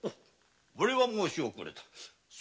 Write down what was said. これは申し遅れた。